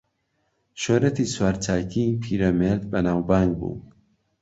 شۆرەتی سوارچاکیی پیرەمێرد بەناوبانگ بوو